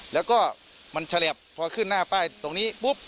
แล้วก็มันฉลับพอขึ้นหน้าป้ายตรงนี้ปุ๊บ